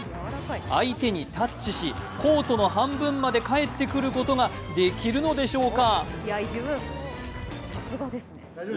相手にタッチし、コートの半分まで帰ってくることができるのでしょうか。